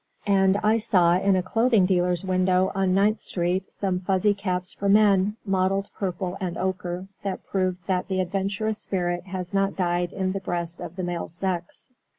And I saw, in a clothing dealer's window on Ninth Street, some fuzzy caps for men, mottled purple and ochre, that proved that the adventurous spirit has not died in the breast of the male sex.